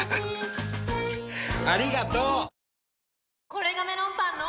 これがメロンパンの！